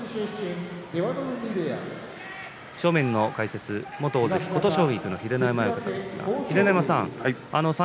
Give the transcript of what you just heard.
正面の解説は元大関琴奨菊の秀ノ山さんです。